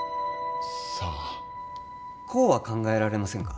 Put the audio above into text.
さあこうは考えられませんか？